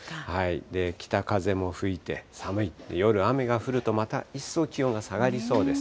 北風も吹いて、寒い、夜雨が降ると、また一層気温が下がりそうです。